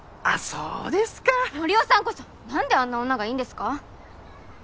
そうですか森生さんこそ何であんな女がいいんですか？